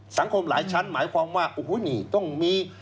สังคมหลายชั้นหมายความว่าโอ้โหนี่ต้องมี